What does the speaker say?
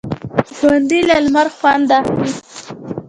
ژوندي له لمر خوند اخلي